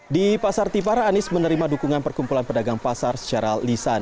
di pasar tifar anies menerima dukungan perkumpulan pedagang pasar secara lisan